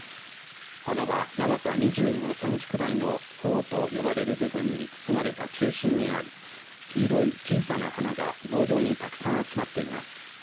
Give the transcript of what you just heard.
花は長さ２５センチくらいのほうと呼ばれる部分に包まれた中心にあり黄色い小さな花が棒状にたくさん集まっています。